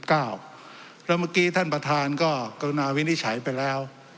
แล้วเมื่อกี้ท่านประธานก็กรุณาวินิจฉัยไปแล้ว